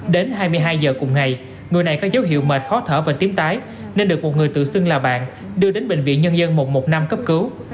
đến hai mươi hai giờ cùng ngày người này có dấu hiệu mệt khó thở và tím tái nên được một người tự xưng là bạn đưa đến bệnh viện nhân dân một trăm một mươi năm cấp cứu